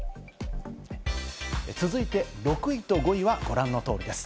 続いて６位と５位はご覧の通りです。